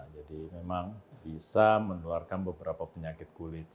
jadi memang bisa meneluarkan beberapa penyakit kulit seperti itu